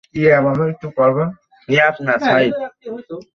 কারন আমার কিডন্যাপ হয়েছে।